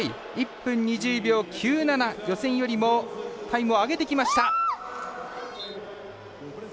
１分２０秒９予選よりもタイムを上げてきました。